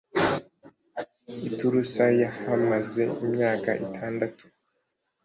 I Tirusa yahamaze imyaka itandatu